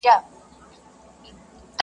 که دیدن کړې ګودر ته راسه!